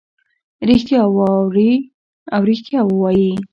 ریښتیا واوري او ریښتیا ووایي.